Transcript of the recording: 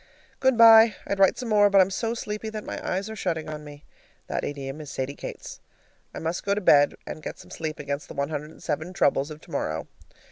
Good by. I'd write some more, but I'm so sleepy that my eyes are shutting on me. (The idiom is Sadie Kate's.) I must go to bed and get some sleep against the one hundred and seven troubles of tomorrow.